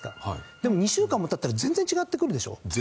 でも２週間も経ったら全然違ってくるでしょ？